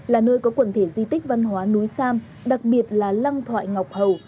là nơi có quần thể di tích văn hóa núi sam đặc biệt là lăng thoại ngọc hầu